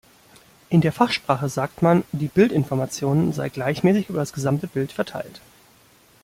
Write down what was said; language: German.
In der Fachsprache sagt man, die "Bildinformation" sei gleichmäßig über das gesamte Bild verteilt.